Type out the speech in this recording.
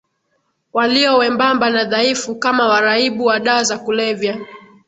walio wembamba na dhaifu kama waraibu wa dawa za kulevya